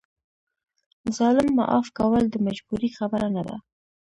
ظالم معاف کول د مجبورۍ خبره نه ده.